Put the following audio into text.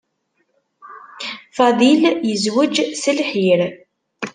Fadil yezweǧ s lḥir.